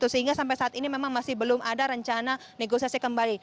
sehingga sampai saat ini memang masih belum ada rencana negosiasi kembali